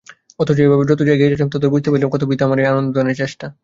অথচ এভাবে যতই এগিয়ে যাচ্ছিলাম ততই বুঝতে পারছিলাম কত বৃথা আমার এই আনন্দদানের চেষ্টা।